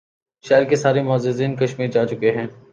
شہر کے سارے معززین کشمیر جا چکے ہیں